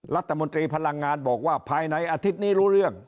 รัฐมนตรีพลังงานบอกว่าภายในอาทิตย์นี้รู้เรื่อง